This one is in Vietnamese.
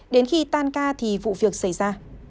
đến khi tan ca thì vụ việc xảy ra